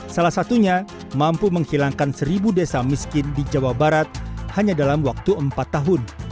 salah satunya mampu menghilangkan seribu desa miskin di jawa barat hanya dalam waktu empat tahun